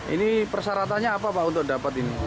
ini persyaratannya apa pak untuk dapat ini